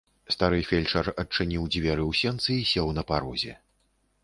Стары фельчар адчыніў дзверы ў сенцы і сеў на парозе.